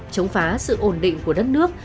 chống phá sự ổn định của đất nước